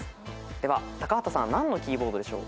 では高畑さん何のキーボードでしょう？